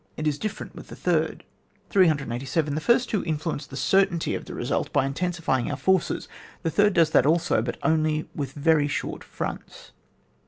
It is different with the third. 387. The first two influence the cer^ tainty of the result by intensifying our forces, the third does that also, but only with very short fronts.